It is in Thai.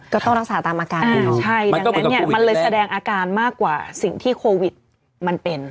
ก็ต้องรักษาตามอาการเองเนอะมันก็เหมือนกับโควิดแทนใช่ดังนั้นเนี่ยมันเลยแสดงอาการมากกว่าสิ่งที่โควิดมันเป็น